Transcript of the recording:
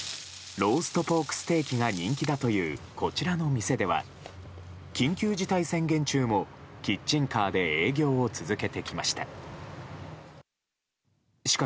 ローストポークステーキが人気だというこちらの店では緊急事態宣言中もキッチンカーで営業を続けてきました。